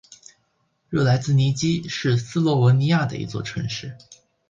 热莱兹尼基是斯洛文尼亚的一座城市。